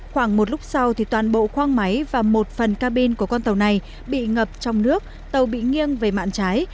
khoảng một lúc sau thì toàn bộ khoang máy và một phần cabin của con tàu này bị ngập trong nước tàu bị nghiêng về mạng trái